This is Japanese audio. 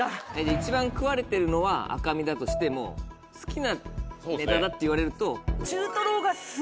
一番食われてるのは赤身だとしても好きなネタだって言われると。